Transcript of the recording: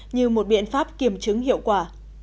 như một biện pháp kiểm chứng hiệu quả